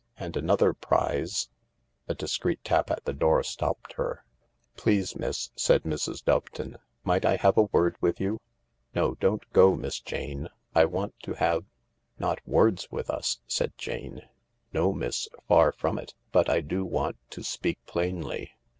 And another prize " A discreet tap at the door stopped her. 254 THE LARK "Please, miss/' said Mrs. Doveton, "might I have a word with you ?... No, don't go, Miss Jane. I want to have 99 " Not words with us ?" said Jane. " No, miss, far from it ; but I do want to speak plainly."